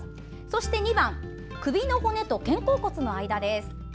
そして２番首の骨と肩甲骨の間です。